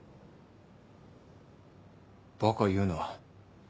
バカ言うな。